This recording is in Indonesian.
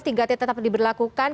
tiga t tetap diberlakukan